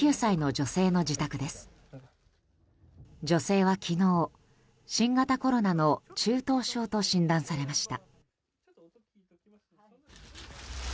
女性は昨日、新型コロナの中等症と診断されました。